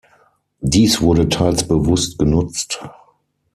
Dies wurde teils bewusst genutzt.